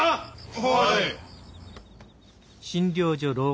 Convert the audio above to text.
はい。